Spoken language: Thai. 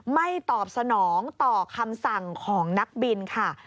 ตอบสนองต่อคำสั่งของนักบินค่ะ